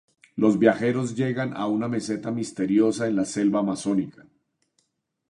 Los viajeros llegan a una meseta misteriosa en la selva amazónica.